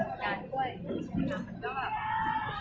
เวลาแรกพี่เห็นแวว